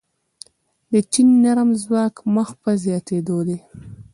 د چین نرم ځواک مخ په زیاتیدو دی.